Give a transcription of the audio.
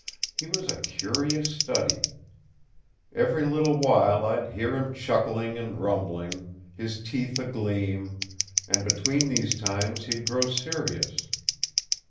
He was a curious study. Every little while I'd hear him chuckling and rumbling, his teeth agleam, and between these times he'd grow serious.